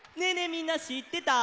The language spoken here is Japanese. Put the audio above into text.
みんなしってた？